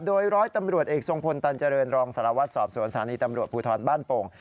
โดยร้อยตำรวจเอกทรงพลตันเจริญรองสารวัตรสอบสวนสถานีตำรวจภูทรบ้านโป่ง